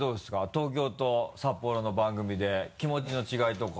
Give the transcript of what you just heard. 東京と札幌の番組で気持ちの違いとか。